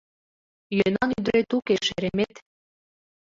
Йӧнан ӱдырет уке, шеремет